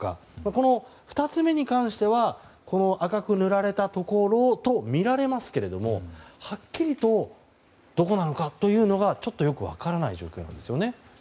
この２つ目に関してはこの赤く塗られたところとみられますけれどもはっきりとどこなのかというのがちょっとよく分からない状況なんですね。